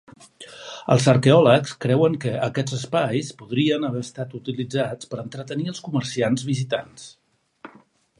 Els arqueòlegs creuen que aquests espais podrien haver estat utilitzats per entretenir els comerciants visitants.